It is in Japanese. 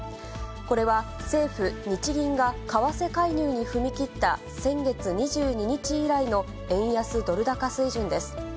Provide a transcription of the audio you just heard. これは政府・日銀が為替介入に踏み切った、先月２２日以来の円安ドル高水準です。